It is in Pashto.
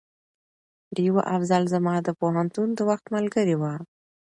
ډيوه افصل زما د پوهنتون د وخت ملګرې وه